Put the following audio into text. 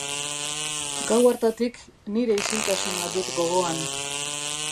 Gau hartatik nire isiltasuna dut gogoan.